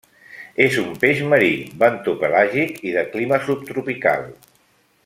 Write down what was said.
És un peix marí, bentopelàgic i de clima subtropical.